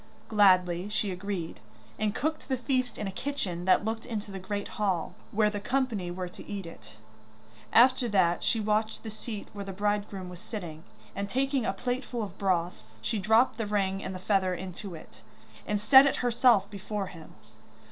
Gladly she agreed, and cooked the feast in a kitchen that looked into the great hall, where the company were to eat it. After that she watched the seat where the bridegroom was sitting, and taking a plateful of the broth, she dropped the ring and the feather into it, and set if herself before him.